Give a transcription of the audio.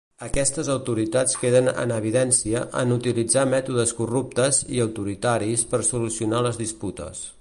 Aquestes autoritats queden en evidència en utilitzar mètodes corruptes i autoritaris per solucionar les disputes.